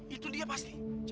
itu dia pasti